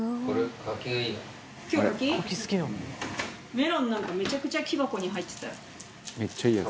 メロンなんかめちゃくちゃ木箱に入ってたよ。